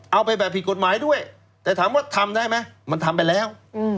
เอาไปแบบผิดกฎหมายด้วยแต่ถามว่าทำได้ไหมมันทำไปแล้ว